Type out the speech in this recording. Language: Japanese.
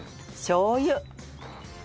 しょう油。